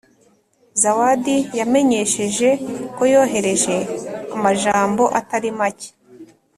Zawadi yamenyesheje ko yohereje amajambo atari make